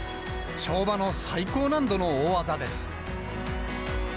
跳馬の最高難度の大技です。